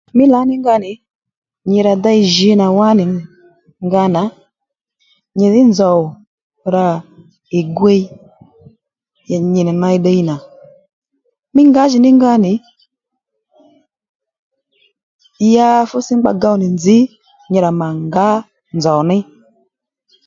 Mí lǎní nga nì nyi rà dey jǐ nà wá nì nga nà nyìdhí nzòw rà ì gwiy ya nyì nì ney ddiy nà mí ngǎjìní nga nì ya fú sǐngba gow nì nzǐ nyi rà mà ngǎ nzòw ní